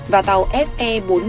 và tàu se bốn mươi một